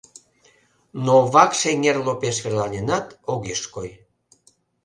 Но Вакш эҥер лопеш верланенат, огеш кой.